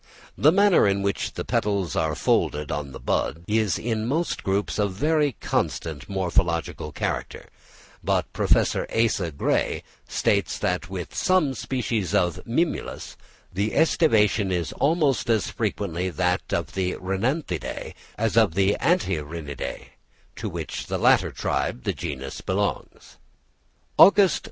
The manner in which the petals are folded in the bud is in most groups a very constant morphological character; but Professor Asa Gray states that with some species of Mimulus, the æstivation is almost as frequently that of the Rhinanthideæ as of the Antirrhinideæ, to which latter tribe the genus belongs. Aug. St.